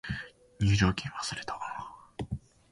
入場券忘れた